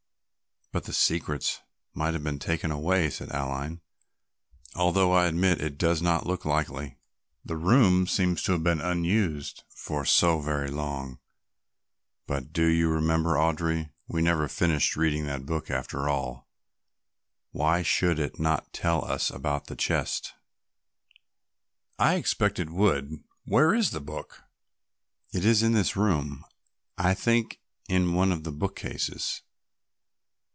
"But the secrets might have been taken away," said Aline, "although I admit that it does not look likely. The room seems to have been unused for so very long. But do you remember, Audry, we never finished reading that book after all. Why should it not tell us about the chest?" "I expect it would; where is the book?" "It is in this room, I think, in one of the bookcases."